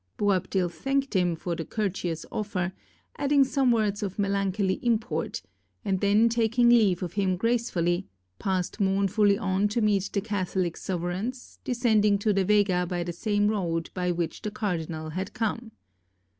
Boabdil thanked him for the cour teous offer, adding some words of melancholy import, and then taking leave of him gracefully, passed mourn fully on to meet the Catholic sovereigns, descending to the vega by the same road by which the cardinal had come.